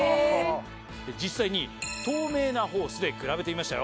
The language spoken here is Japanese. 実際に透明なホースで比べてみました。